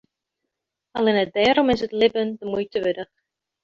Allinne dêrom is it libben de muoite wurdich.